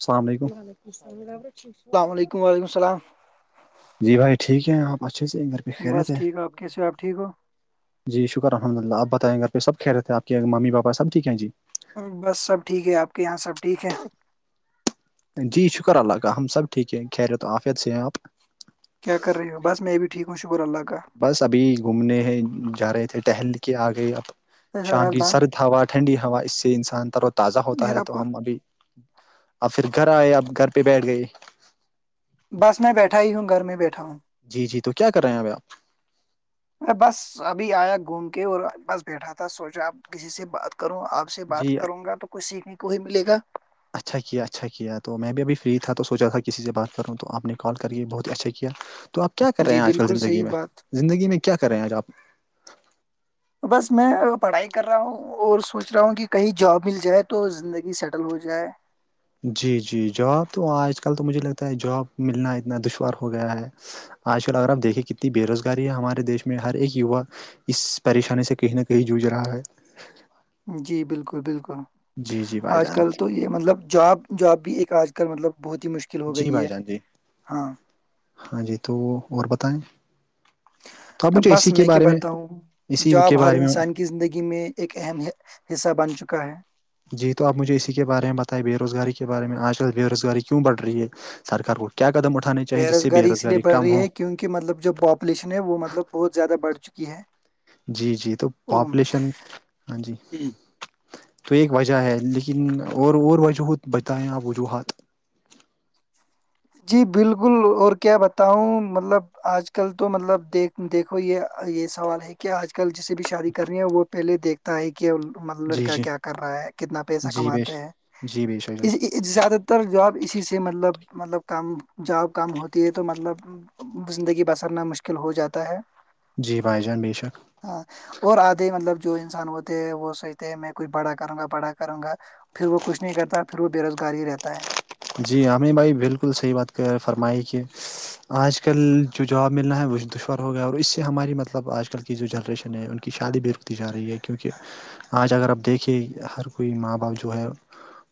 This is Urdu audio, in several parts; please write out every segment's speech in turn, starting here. اللام علیکمم السلام علیکم وعلیکم السلام جی بھائی ٹھیک ہے آپ اچھے سے گ بس ٹھیک ہے آپ کیسے آپ ٹھیک ہو جی شکر الحمد للہپ بتائ گھرہ سب کہ رہے آپ کے ممی پابٹھیک ہیں جی بس سب ٹھیک ہے آپ کے یہاں سب ٹھیک ہے [unintelligible] جی شکر اللہ کا ہم سب ٹھیک ہے خیرت آفیت سے ہیں آپ کیا کر رہی ہوں بس میں بھی ٹھیک ہوںکر اللہ کا بس ابھی گھومنے ہیں جا رہے تھے ٹہل کے آ گئے اب فیصل شام کی رازبان سرد ہوا ٹھنڈی ہوا اس سے انسان تر و تازہ ہوتا ہے نیرا تو پور ہم ابھی اب پھر گھر آئے اب گھر پہ بیٹھ گئے بس میں بیٹھا ہی ہوں گھر میں بیٹھا ہوں جی جی تو کیا کر رہے ہیں ابھی آپ میں بس ابھی آیا گھوم کے اور بس بیٹھا تھا سوچا اب کسی سے بات کروں آپ سے بات جی کروں گا تو کچھ سیکھنے کو ہی ملے گا اچھا کیا اچھا کیا تو میں بھی ابھی فری تھا تو سوچا تھا کسی سے بات کروں تو آپ نے کال کر کے بہت ہی اچھا کیا تو آپ کیا کر رہے جی ہیں آج کل بالکل زندگی صحیح میں بات زندگی میں کیا کر رہے ہیں آج آپ بس میں پڑھائی کر رہا ہوں اور سوچ رہا ہوں کہ کہیں جاب مل جائے تو زندگی سیٹل ہو جائے جی جی جاب تو آج کل تو مجھے لگتا ہے جاب ملنا اتنا دشوار ہو گیا ہے آج کل اگر آپ دیکیں کتنی بے روزگاری ہے ہمارے دیش میں ہر ایک یوا اس پریشانی سے کہیں نہ کہیں جج رہا ہے جی بالکل بالکل جی جی بھائی آج جان کل تو یہ مطلب جاب جاب بھی ایک آج کل مطلب بہت ہی مشکل ہو جی گئی بھائی ہے جان جی ہاں ہاں جی تو اور بتائیں تو اب مجھے اسی بس کے کیا بارے میں بتاؤں اسی کے جاب ہر بارے میں انسان کی زندگی میں ایک اہم حصہ بن چکا ہے جی تو آپ مجھے اسی کے بارے میں بتائیں بے روزگاری کے بارے میں آج کل بے روزگاری کیوں بڑ رہی ہے سرکار کو کیا قدم اٹھانے چاہے جس سے بے روزگاری کم ہو کہ مطلب جو پاپولیشن ہے وہ مطلب بہت زیادہ بڑھ چکی ہے جی جی تو اوم، پاپولیشن ہاں جی تو ایک وجہ ہے لیکن اور اور وجہت بتائیں آپ وجوہات جی بالکل اور کیا بتاؤں مطلب آج کل تو مطلب دیکھ دیکھو یہ یہ سوال ہے کہ آج کل جسے بھی شادی کر رہی ہیں وہ پہلے دیکھتا ہے کہ کہ جی لڑکا جی کیا کر رہا ہے کتنا پیسہ جی بے کماتا ہیں جی بے شک زیادہ ت اتر جاب اسی سے مطلب مطلب کم جاب کم ہوتی ہے تو مطلب زندگی بسرنا مشکل ہو جاتا ہے جی بھائی جان بے شک ہاں اور آدھے مطلب جو انسان ہوتے ہیں وہ سوچتے ہیں میں کچھ بڑا کروں گا بڑا کروں گا پھر وہ کچھ نہیں کرتا پھر وہ بے روزگار ہی رہتا ہے جی ہمیں بھائی بالکل صحیح بات کر ہیں فرمائی کی آج کل جو جاب ملنا ہے وہ دشوور ہو گیا اور اس سے ہماری مطلب آج کل کی جو جنریشن ہے ان کی شادی بالکل تی جا رہی ہے کیونکہ آج اگر آپ دیکھیں ہر کوئی ماں باپ جو ہے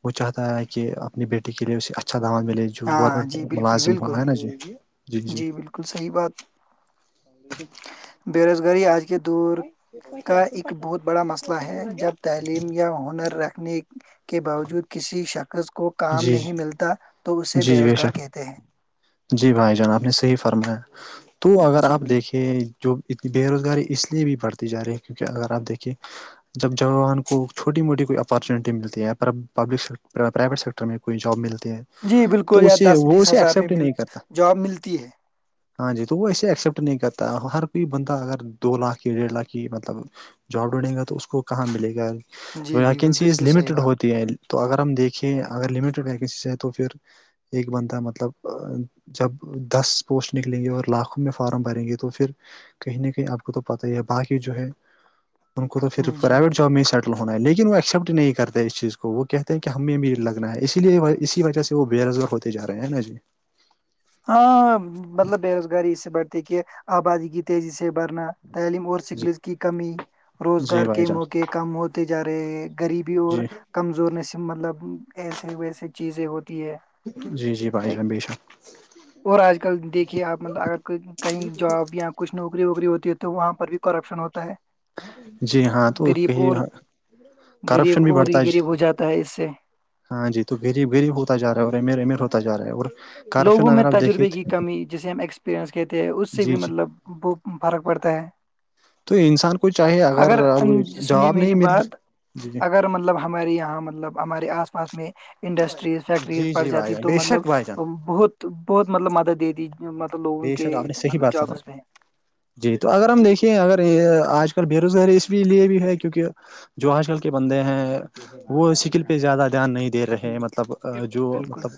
وہ چاہتا ہے کہ اپنی بیٹی کے لیے اسے اچھا دعوت ملے گی جو ہاں جی گورنمنٹ بالکل ملازم ہوگا بالکل ہے نا جی جی جی بالکل صحیح بات [unintelligible] ہ [inaudible] بے روزگاری آج کے دور کا ایک بہت بڑا مسئلہ ہے جب تعلی یا ہنر رکھنے کے باوجود کسی شخص کو کام جی نہیں ملتا تو اسے بے جی روزگار شک کہتے ہیں جی بھائی جان آپ نے صحیح فرمایا تو اگر جی آپ بالکل دیکھیے کہ جو بےروزگاری اس لیے بھی بڑھتی جا رہی ہے کیونکہ اگر آپ دیکھیے جب جوان کو چھوٹی موٹی کوئی اپارچونیٹی ملتی ہے پر پبلک پرائیویٹ سیکٹر ٹر میں کوئی جاب ملتی ہے جی بالکل تو یا اسے دس وہ بیس ہزار میں مل جاب ملتی ہے ج [inaudible] ہاں جی تو وہ ایسے ایکسپٹ نہیں کرتا ہر کوئی بندہ اگر دو لاکھ ڈیڑھ لاکھ کی مطلب جاب ڈھونڈیں گا تو اس کو کہاں ملے گا جی بالکل ویکنسیز بالکل صحیح لمیٹیڈ بات ہوتی ہے تو اگر ہم دیکھیں اگر لمیٹڈکسی سے ہے تو پھر ایک بنتا مطلب جب دس پوسٹ نکلیں گے اور لاکھوں میں فارم بھریں گے تو پھر کہیں نہ کہیں آپ کو تو پتا ہی ہے باقی جو ہے ان کو تو پھر جی پرائیویٹ جاب میں ہی س ہونا ہے لیکن وہ ایکسپٹ نہیں کرتا اس چیز کو وہ کہتے ہیں کہ ہمیں بھی لگنا ہے اسی لیے اسی وجہ سے وہ بے روزگار ہوتے تے ج رہے ہیں نا جی [inaudible] ہاں مطلب بے روزگاری اس سے بڑھتی کہ آبادی کی تیزی سے بڑھنا تعلیم اور جی شکلس کی کمی جی روزگار بھائی کے جان موقع کم ہوتے جا رہے ہیں غریبی اور جی کمزورنے سے مطلب ایسے ویسے چیزیں ہوتی ہے جی جی بھائی ایک جان بے شک اور آج کل دیکھیے آپ مطلب اگر کوئی کہیں جاب یا کچھ نوکری ووکری ہوتی ہے تو وہاں پر بھی کرپشن ہوتا ہے جی ہاں تو غریب کہی اور غریب اور ہی غریب ہو جاتا ہے اس سے ہاں جی تو غریب غریب ہوتا جا رہا ہے اور امیر امیر ہوتاا رہا ہے اور کرپشن لوگوں میں اگر آپ دیکھیے تجربے کی کمی جسے ہم ایکسپریئنس کہتے ہیں اس سے جی بھی جی مطلب ب فرق پڑتا ہے تو انسان کو چاہے اگر ا ان- سنیے جواب نہیں میری مل بات جی جی اگر مطلب ہمارے یہاں مطلب ہمارے آس پاس میں انڈسٹریز فیکٹریز جی پڑ جی بھائی جاتی جان تو بے مطلب شک بھائی جان بہت بہت مطلب مدد دیتی مطلب لوگوں بے کے شک آپ نے صحیح مطلب بات فرمائی جابس میں جی تو اگر ہم دیکھیے اگر آج کل بے روزگاری اس لیے بھی ہے کیونکہ جو آج کل کے بندے ہیں وہ اسکل پہ زیادہ دھیان نہیں دے رہے مطلب بالکل جو بالکل مطلب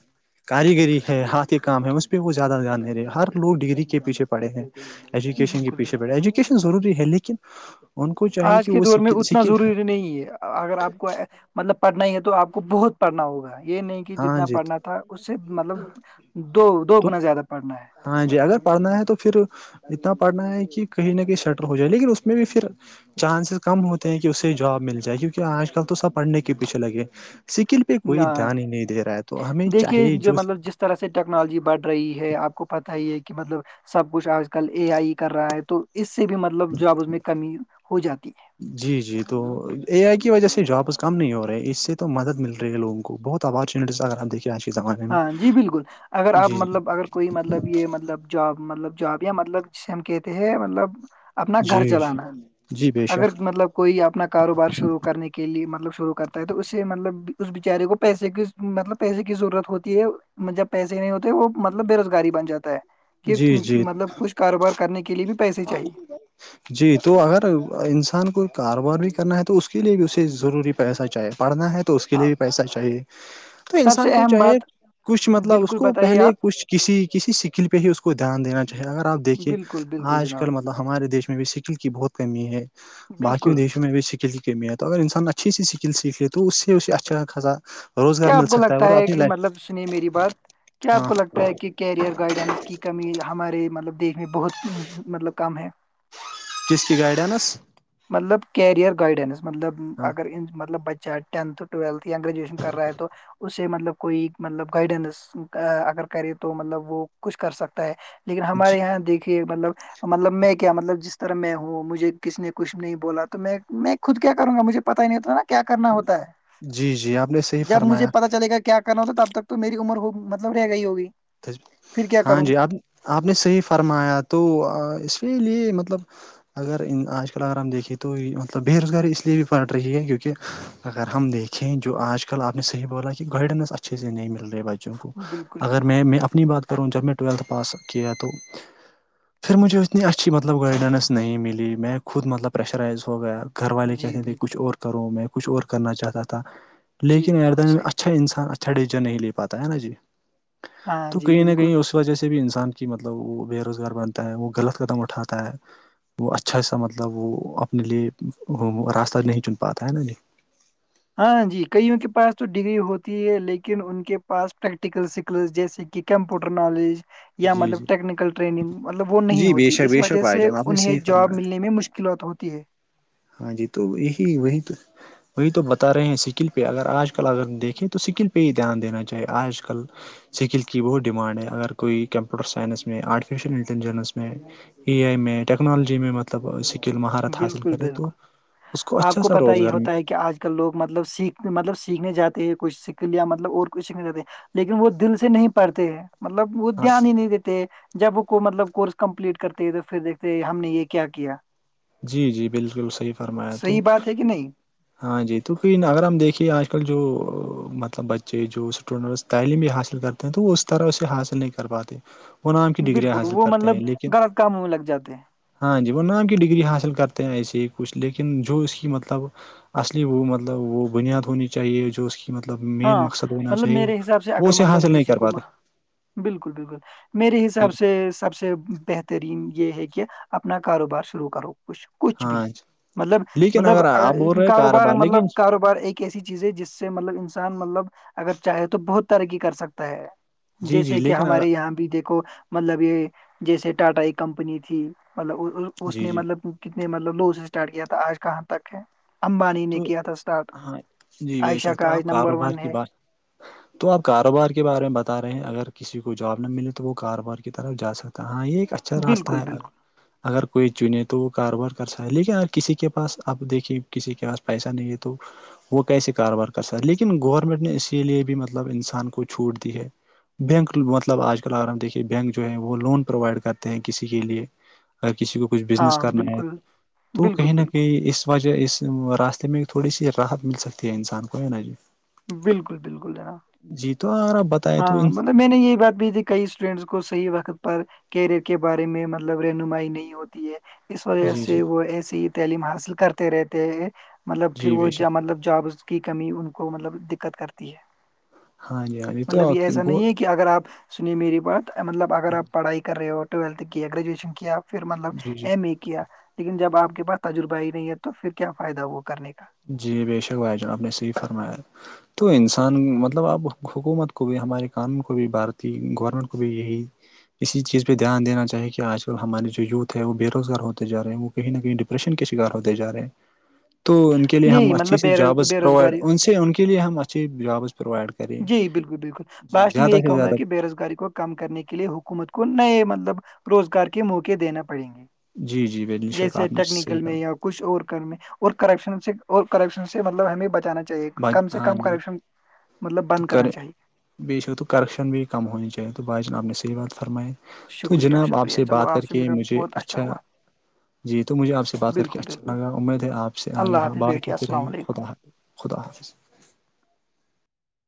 کاریگری ہے ہاتھ کے کام ہے اس پہ وہ زیادہ اار نہیں رہے ہر لوگ ڈگری کے پیچھے پڑھے ہیں ایجوکیشن کے بالکل پیچھے بالکل پڑے ایجوکیشن ضروری ہے لیکن ان کو چاہیے آج کہ کے وہ دور میں سک اتنا سک ضروری نہیں ہے اگر آپ کو مطلب پڑھنا ہی ہے تو آپ کو بہت پڑھنا ہوگا یہ نہیں کہ ہاں جتنا جی پڑھنا تو تھا اس سے مطلب دو دو گنا زیادہ پڑھنا ہے ہاں جی اگر پڑھنا ہے تو پھر اتنا پڑھنا ہے کہ کہیں نہ کہیں شٹر ہو جائے لیکن اس میں بھی پھر چانسز کم ہوتے ہیں کہ اسے جاب مل جائے کیونکہ آج کل تو سب پڑھنے کے پیچھے لگے سکل پہ ہے کوئی نہ دھیان ہی نہیں دے رہا ہے تو ہمیں دیکھیے چاہے جو مطلب جس طرح سے ٹیکنالوجی بڑھ رہی ہے آپ کو پتا ہی ہے کہ مطلب سب کچھ آج کل اے آئی کر رہا ہے تو اس سے بھی مطلب جاب اس میں کمی ہو جاتی ہے جی جی تو اے آئی کی وجہ سے جابس کم نہیں ہو رہے ہیں اس سے تو مدد مل رہی ہے لوگوں کو بہت اپارچونیٹیز اگر ہم دیکیں آج کے زمانے میں ہاں جی بالکل اگر آپ جی مطلب اگر کوئی مطلب یہ مطلب جاب مطلب جاب یا مطلب جسے ہم کہتے ہیں مطلب اپنا گھر جی چلانا جی بے اگر شک مطلب کوئی اپنا کاروبار شروع کرنے کے لیے مطلب شروع کرتا ہے تو اس سے مطلب اس بچارے کو پیسے کی مطلب پیسے کی ضرورت ہوتی ہے جب پیسے نہیں ہوتے وہ مطلب بے روزگاری بن جاتا ہے کہ جی جی مطلب کچھ کاروبار کرنے کے لیے بھی پیسے چاہیے جی تو اگر انسان کو کاروبار بھی کرنا ہے تو اس کے لیے بھی اسے ضروری پیسہ چاہیے پڑھنا ہے تو اس کے لیے ہاں بھی پیسہ چاہیے تو سب سے انسان کو اہم چاہے بات کچھ مطلب اس بالکل کو بتائیے پہلے آپ کچھ کسی کسی سکل پہ ہی اس کو دھیان دینا چاہیے اگر آپ دیکھیے بالکل بالکل آج جناب کل مطلب ہمارے دیش میں بھی سکل کی بہت کمی ہے باقیوں بالکل دیش اس میں بھی اسکل کی کمی ہے تو اگر انسان اچھی سی سکل سیکھ لے تو اس سے اس اچھا خا کیا آپ کو لگتا ہے کہ مطلب سنیے میری بات کیا آپ ہاں کو لگتا ہے کہ کیریئر گائیڈنس کی کمی ہمارے مطلب دیش میں بہت مطلب کم ہے جس کی گائیڈنس مطلب کیریئر گائیڈینس مطلب ہاں اگر مطلب بچہ ٹینت ٹویلتھ یا گریجویشن کرا ہے تو اسے مطلب کوئی مطلب گائیڈنس اگر کرے تو مطلب وہ کچھ کر سکتا ہے لیکن جی ہمارے یہاں دیکھیے مطلب مطلب میں کیا مطلب جس طرح میں ہوں مجھے کسی نے کچھ نہیں بولا تو میں میں خود کیا کروں گا مجھے پتا ہی نہیں ہوتا ہے نا کیا کرنا ہوتا ہے جی جی آپ نے صحیح جب مجھے فرمایا پتا چلے گا کیا کرنا ہوتا تب تک تو میری عمر ہو مطلب رہ گ ہی ہوگی پھر کیا ہاں کروں جی آپ آپ نے صحیح فرمایا تو اس کے لیے مطلب اگر آج کل اگر ہم دیکھے تو مطلب بے روزگاری اس لیے بھی پڑٹ رہی ہے کیونکہ اگر ہم دیکھیں جو آج کل آپ نے صح بولا کہ گائیڈنس اچھے سے نہیں مل رہے بچوں کو بالکل اگر میں بالکل میں اپنی بات کروں جب میں ٹویلتھ پاس کیا تو پھر مجھے اتنی اچھی مطلب گائیڈنس نہیں ملی میں خود مطلب پریشرائز ہو گیا گھر والے جی کہتے تھے بالکل کچھ اور کرو میں کچھ اور کرنا چاہتا تھا جی لیکن ار بالکل دن میں صحیح اچھا انسان اچھا ڈیسییژن نہیں لے پاتا ہے نا جی ہاں تو جی کہیں نہ بالکل کہیں اسے اس وجہ سے بھی انسان کی مطلب وہ بے روزگار بنتا ہے وہ غلط قدم اٹھاتا ہے وہ اچھا سا مطلب وہ اپنے لیے راستہ نہیں چن پاتا ہے نا نہیں ہاں جی کئیوں کے پاس تو ڈگری ہوتی ہے لیکن ان کے پاس پریکٹیکل سکل جیسے کہ کمپیوٹر نالج [unintelligible] یا جی جی مطلب ٹیکنیکل ٹریننگ مطلب وہ نہیں جی بے ہوتی شک اس بے شک وجہ بھائی سے جان آپ نے انہیں صحیح جاب فرمایا ملنے میں مشکلات ہوتی ہے ہاں جی تو یہی وہی تو وہی تو بتا رہے ہیں اسکل پہ اگر آج کل اگر دیکھیں تو سکل پہ ہی دھیان دینا چاہیے آج کل سکل کی بہت ڈیمانڈ ہے اگر کوئی کمپیوٹر سائنس میں آرٹیفیشیل انٹیلیجنس میں ای آئی میں ٹیکنالوجی میں مطلب سکل مہارت حاصل بالکل کرے تو اس آپ اچھا کو سا پتا یہ روزگار میں ہوتا ہے کہ آج کل لوگ مطلب سیکھنے مطلب سیکھنے جاتے ہیں کچھیکھ لیا مطلب اور کچھ سیکھنے جاتے ہیں لیکن وہ دل سے نہیں پڑھتے ہیں مطلب وہ ہاں دھیان ہی نہیں دیتے جب وہ کو مطلب کورس کمپلیٹ کرتے تو پھر دیکھتے ہم نے یہ کیا کیا جی جی بالکل صحیح فرمایا تو صحیح بات ہے کہ نہیں ہاں جی توک اگر ہم دیکھیے آج کل جو مطلب بچے جو تعلیم بھی حاصل کرتے ہیں تو وہ اس طرح اسے حاصل نہیں کر پاتے وہ نام کی ڈگگریاں بالکل حاصل وہ کرتے مطلب ہیں لیکن غلط کاموں میں لگ جاتے ہیں ہاں جی وہ نام ڈگری حاصل کرتے ہیں ایسے ہی کچھ لیکن جو اس کی مطلب اصلی وہ مطلب وہ بنیاد ہونی چاہیے جو اس کی مطلب مین ہاں مقصد ہونا مطلب چاہیے میرے حساب سے وہ اگر اسے مطلب حاصل نہیں کسی کر کو پاتے بالکل بالکل میرے جی حساب سے سب سے بہترین یہ ہے کہ اپنا کاروبار شروع کرو کچھ کچھ بھی ہاں جی مطلب لیکن مطلب اگر آپ بول رہے کاروبار لیکن مطلب کاروبار ایک ایسی چیز ہے جس سے مطلب انسان مطلب اگر چاہے تو بہت ترقی کر سکتا ہے جی جی جیسے کہ لیکن ہمارے اگر یہاں پہ دیکھو مطلب یہ جیسے ٹاٹا ایک کمپنی تھی مطلب اس جی نے جی مطلب کتنے مطلب لو سے اسٹارٹ کیا تھا آج کہاں تک ہے امبانی نے تو کیا تھا اسٹارٹ ہاں جی بے عائشہ شک تو کا عشہ آپ کاروبار کی بات تو آپ کاروبار کے بارے میں بتا رہے ہیں اگر کسی کو جاب نہ ملے تو وہ کاروبار کی طرف جا سکتا ہاں یہ ایک اچھا راستہ بالکل ہے بالکل اگر کوئی چنے تو وہ کاروبار کر سک لیکن ا کسی کے پاس آپ دیکھیے کسی کے پاس پیسہ نہیں ہے تو وہ کیسے کاروبار کر سک لیکن گورنمنٹ نے اسی لیے بھی مطلب انسان کو چھوٹ دی ہے بینک مطلب آج کل اگر ہم دیکھیے بینک جو ہے وہ لون پرووائڈ کرتے ہیں کسی کے لیے اگر کسی کو کچھ بزنس ہاں کرنا ہے بالکل تو بالکل کہیں نہ بالکل کہیں اس وجہ اس راستے میں تھوڑی سی راحت مل سکتی ہے انسان کو ہے نا جی بالکل بالکل جناب جی تو آر ب [unintelligible] ہاں مطلب میں نے یہی بات بھی تھی کئی اسٹوڈینٹس کو صحیح وقت پر کیریئر کے بارے میں مطلب رہنمائی نہیں ہوتی ہے اس وجہ جی سے جی وہ ایسیے ہی تعلیم حاصل کرتے رہتے ہیں مطلب پھر جی وہ بے شک مطلب جابس کی کمی ان کو مطلب دقت کرتی ہے ہاں جی ہاں ج [unintelligible] مطلب یہ ایسا نہیں ہے کہ اگر آپ سنییں میری بات مطلب اگر ہاں آپ پڑھائی کر رہے ہو ٹویلتھ کیا گریجویشن کیا پھر مطلب جی جی ایم ا کیا لیکن جب آپ کے پاس تجربہ نہیں ہے تو پھر کیا فائدہ وہ کرنے کا جی بے شک بھائی جان آپ نے سےی فرمایا [unintelligible] تو انسان مطلب اب حکومت کو بھی ہمارے قانون کو بھی بھارتی گورنمنٹ کو بھی یہی اسی چیز پہ دھیان دین چاہیے کہ آج کل ہمارے جو یوتھ وہ بے روزگار ہوتے جاے ہیں وہ کہیں نہ کہیں ڈپریشن کے شکار ہوتے ج رہے ہیں تو ان [unintelligible] کے لیے ہم یہی اچھی مطلب سی جابز بے پرووائڈ روزگاری ان سے ان کے لیے ہم اچھی جابز پروائڈ کر جی بالکل بالکل لاسٹ میں یہی کہوں گا زیادہ کہ بے روزگاری کو کم کرنے کے لیے حکومت کو نئے مطلب روزگار کے موقع دینا پڑیں گے جی جی بے شک جیسے آپ سے ٹیکنیکل میں یا کچھ اور کرنے اور کرپشن سے اور کرپشن سے مطلب ہمیں بچانا چاہیے کم سے ہاں کم جی کرپشن مطلب تو بند کریں کرنا چاہیے بے شک تو کرپشن بھی کم ہونی چاہیے تو بھائی جان اپ نے صحیح بات فرمائیے تو شکریہ جناب آپ شکریہ سے چلو بات کر آپ مل کے مجھے بہت اچھا ہوا جی تو مجھے آپ سے بات کر کے بالکل بالکل اچھا لگا امید ہے آپ سے اللہ آگے ہاں حافظ بات بیٹھیے ہوتے رہے السلام گی علیکم خدا ہ خدا حافظ